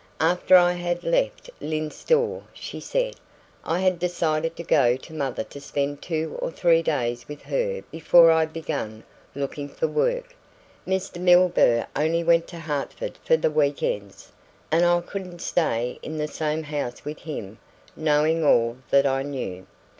"After I had left Lyne's Store," she said, "I had decided to go to mother to spend two or three days with her before I began looking for work. Mr. Milburgh only went to Hertford for the weekends, and I couldn't stay in the same house with him, knowing all that I knew.